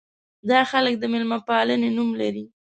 دا خلک د مېلمه پالنې نوم لري.